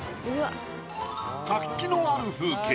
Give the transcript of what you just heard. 活気のある風景